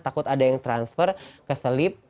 takut ada yang transfer keselip